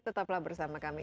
tetaplah bersama kami